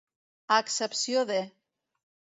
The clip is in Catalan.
A excepció de.